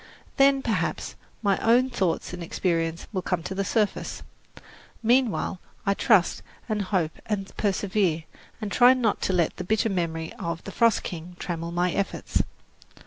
Then, perhaps, my own thoughts and experiences will come to the surface. Meanwhile I trust and hope and persevere, and try not to let the bitter memory of "The Frost King" trammel my efforts.